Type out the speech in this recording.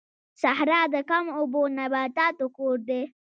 صحرا د کم اوبو نباتاتو کور دی